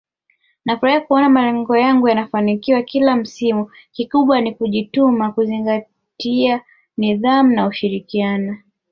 Nafurahi kuona malengo yangu yanafanikiwa kila msimu kikubwa ni kujituma kuzingatia nidhamu na kushirikiana